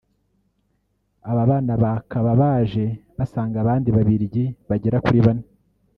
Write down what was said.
Aba bana bakaba baje basanga abandi Babiligi bagera kuri bane